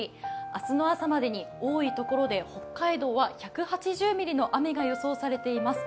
明日の朝までに多い所で北海道は１８０ミリの雨が予想されています。